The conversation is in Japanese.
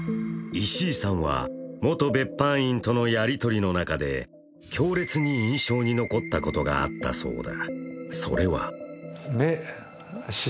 石井さんは元別班員とのやりとりの中で強烈に印象に残ったことがあったそうだ。